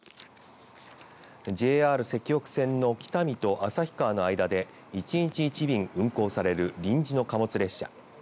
ＪＲ石北線の北見と旭川の間で１日１便運航される臨時の貨物列車。